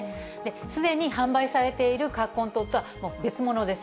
すでに販売されている葛根湯とは別物です。